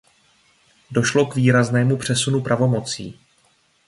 Došlo k výraznému přesunu pravomocí.